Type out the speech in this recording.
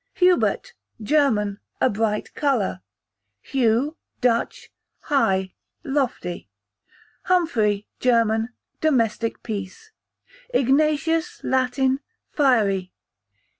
Hubert, German, a bright colour. Hugh, Dutch, high, lofty. Humphrey, German, domestic peace. Ignatius, Latin, fiery.